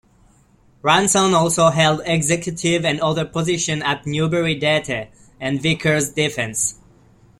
Ranson also held executive and other positions at Newberry Data, and Vickers Defense.